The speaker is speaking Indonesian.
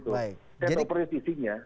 saya yang operasi isinya